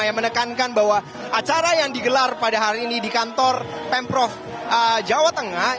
yang menekankan bahwa acara yang digelar pada hari ini di kantor pemprov jawa tengah